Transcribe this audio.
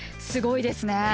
すごいですね。